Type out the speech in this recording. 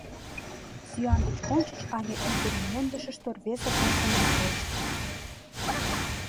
Сӱан деч ончыч але ӱдырмодышышто рвезе-влакын мурышт.